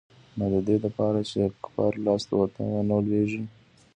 نو د دې د پاره چې د کفارو لاس ته ونه لوېږي.